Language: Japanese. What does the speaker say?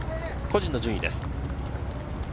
個人の順位です。